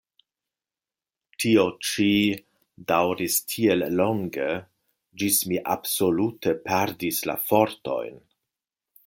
Tio ĉi daŭris tiel longe, ĝis mi absolute perdis la fortojn.